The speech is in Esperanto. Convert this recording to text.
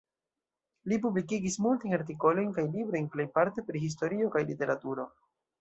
Li publikigis multajn artikolojn kaj librojn, plejparte pri historio kaj literaturo.